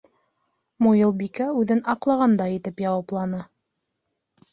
Муйылбикә үҙен аҡлағандай итеп яуапланы: